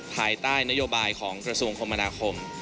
ภายใต้นโยบายของกระทรวงคมนาคม